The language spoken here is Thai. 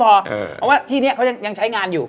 เพราะว่าที่นี้เขายังใช้งานอยู่